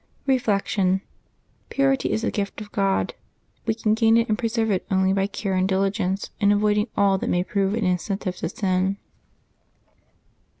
Reflection. — Purity is a gift of God: we can gain it and preserve it only by care and diligence in avoiding aH that may prove an incentive to sin.